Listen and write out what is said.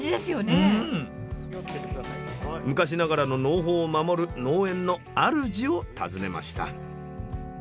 スタジオ昔ながらの農法を守る農園のあるじを訪ねました。